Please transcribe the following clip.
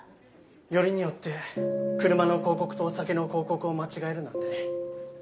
よりによって車の広告とお酒の広告を間違えるなんてね。